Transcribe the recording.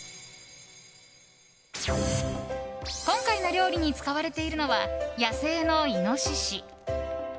今回の料理に使われているのは野生のイノシシ。